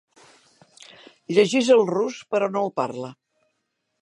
Llegeix el rus, però no el parla.